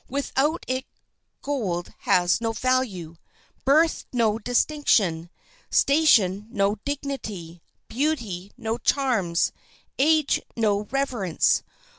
Without it gold has no value, birth no distinction, station no dignity, beauty no charms, age no reverence.